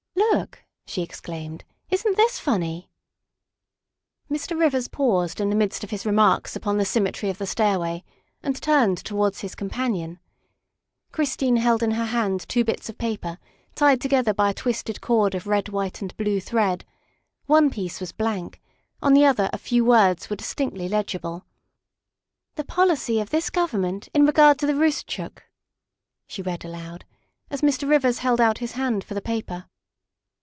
" Look," she exclaimed, " isn't this funny?" Mr. Rivers paused in the midst of his remarks upon the symmetry of the stairway and turned towards his companion. Christine held in her hand two bits of paper tied together by a twisted cord of red, white, and blue thread; one piece was blank, on the other a few words were distinctly legible. " The policy of this Government in regard to the Roostchook," she read aloud as Mr. Rivers held out his hand for the paper.